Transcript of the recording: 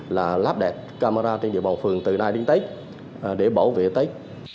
là lắp đặt camera trên địa bàn phường từ nay đến tết để bảo vệ tết